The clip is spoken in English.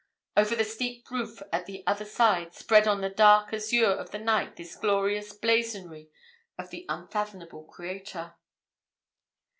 Over the steep roof at the other side spread on the dark azure of the night this glorious blazonry of the unfathomable Creator.